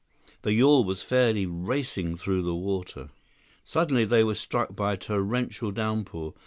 The yawl was fairly racing through the water. Suddenly they were struck by a torrential downpour.